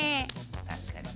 確かに。